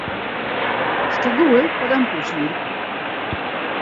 "Szczegóły podam później."